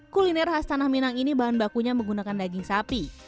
kuliner khas tanah minang ini bahan bakunya menggunakan daging sapi